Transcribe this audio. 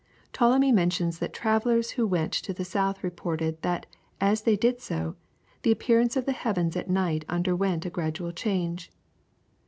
Ptolemy mentions that travellers who went to the south reported, that, as they did so, the appearance of the heavens at night underwent a gradual change.